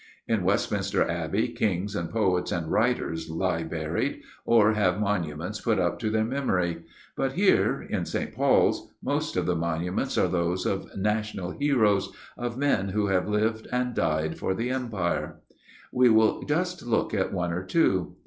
In Westminster Abbey, Kings, and poets, and writers lie buried, or have monuments put up to their memory, but here, in St. Paul's, most of the monuments are those of national heroes, of men who have lived and died for the Empire. We will just look at one or two.